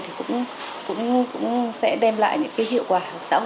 thì cũng sẽ đem lại những cái hiệu quả